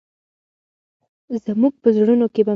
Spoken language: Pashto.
زموږ په زړونو کې به مینه وي.